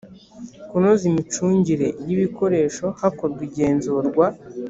kunoza imicungire y ibikoresho hakorwa igenzurwa